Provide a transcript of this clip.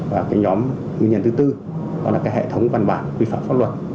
và nhóm nguyên nhân thứ bốn đó là hệ thống văn bản quy phạm pháp luật